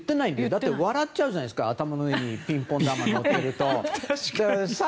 だって笑っちゃうじゃないですか頭の上にピンポン球のってると。